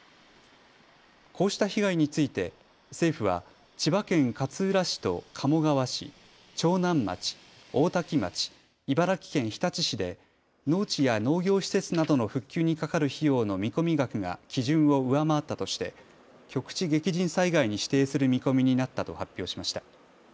こうした被害について政府は千葉県勝浦市と鴨川市、長南町、大多喜町、茨城県日立市で農地や農業施設などの復旧にかかる費用の見込み額が基準を上回ったとして局地激甚災害に指定する見込みになったと発表しました。